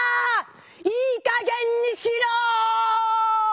いいかげんにしろ！